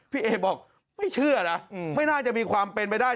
พี่เอบอกไม่เชื่อนะไม่น่าจะมีความเป็นไปได้